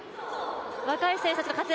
若い選手たちの活躍